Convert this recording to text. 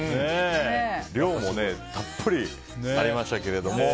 量もたっぷりありましたけれども。